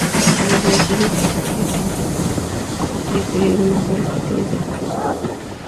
La inflorescencia es apical, corta, e incluye algunas flores pequeñas abiertas.